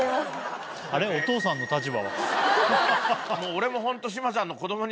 俺もホント。